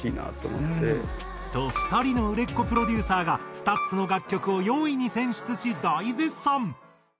と２人の売れっ子プロデューサーがＳＴＵＴＳの楽曲を４位に選出し大絶賛！